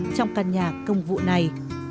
trong căn nhà công vụ này